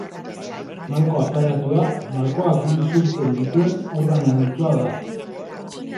Malko aparatua malkoak isurtzen dituen organo multzoa da.